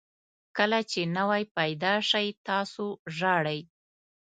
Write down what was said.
کله چې نوی پیدا شئ تاسو ژاړئ.